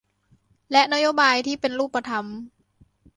และนโยบายที่เป็นรูปธรรม